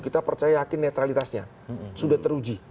kita percaya yakin netralitasnya sudah teruji